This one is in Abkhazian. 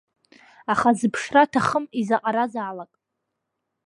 Аха зыԥшра аҭахым изаҟаразаалак.